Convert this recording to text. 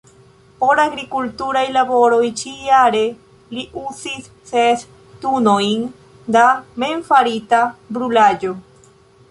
Por agrikulturaj laboroj ĉi-jare li uzis ses tunojn da memfarita brulaĵo.